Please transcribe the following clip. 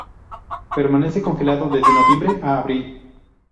Permanece congelado desde noviembre a abril.